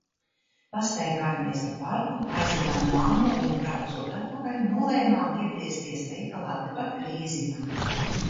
Pastaigājamies pa parku, aizvedām mammu un, braucot atpakaļ, nolēmām iegriezties veikalā tepat Grīziņā.